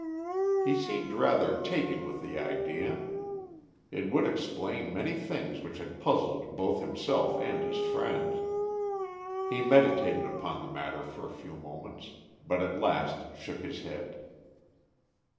He seemed rather taken with the idea. It would explain many things which had puzzled both himself and his friends. He meditated upon the matter for a few moments, but at last shook his head.